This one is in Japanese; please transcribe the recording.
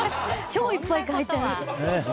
超いっぱい書いてある。